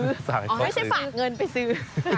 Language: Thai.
อ๋อให้ฉันฝากเงินไปซื้อ